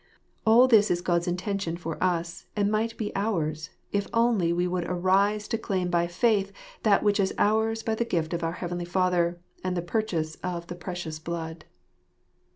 All this is God's intention for us, and might be ours if only we would arise to claim by faith that which is ours by the gift of our Heavenly Father, and the purchase of the precious blood.